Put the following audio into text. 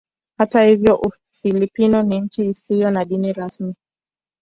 Hata hivyo Ufilipino ni nchi isiyo na dini rasmi.